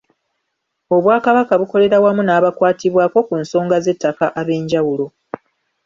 Obwakabaka bukolera wamu n’abakwatibwako ku nsonga z’ettaka ab’enjawulo.